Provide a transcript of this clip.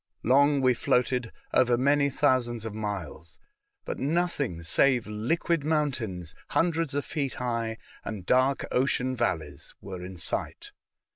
Long we floated, over many thousands of miles, but nothing save liquid mountains, hun dreds of feet high, and dark ocean valleys were in sight.